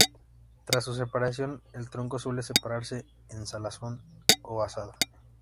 Tras su separación del tronco suele prepararse en salazón, o asada.